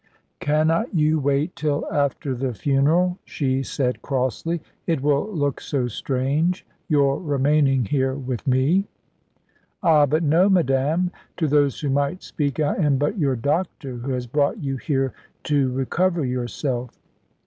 "Cannot you wait till after the funeral?" she said crossly. "It will look so strange, your remaining here with me." "Ah, but no, madame. To those who might speak I am but your doctor, who has brought you here to recover yourself."